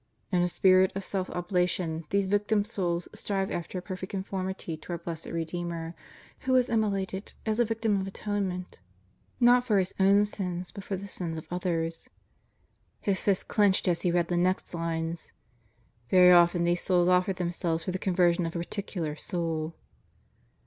"In a spirit of self oblation, these Victim Souls strive after a perfect conformity to Our Blessed Redeemer, who was immolated as a Victim of Atonement, not for His own sins, but for the sins of others." His fist clenched as he read the next lines "Very often these souls offer themselves for the conver sion of a particular soul."